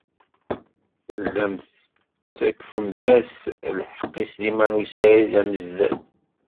Tellamt tettakfemt-as lḥeqq i Sliman u Saɛid Amezdat.